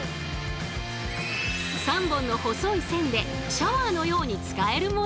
３本の細い線でシャワーのように使えるもの。